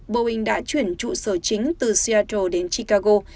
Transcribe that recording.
boeing đã chuyển trụ sở chính từ cyattle đến chicago